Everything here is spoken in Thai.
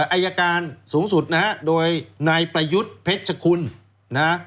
อายการสูงสุดนะฮะโดยนายประยุทธ์เพชรคุณนะฮะ